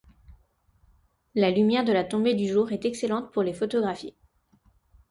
La lumière de la tombée du jour est excellente pour les photographies.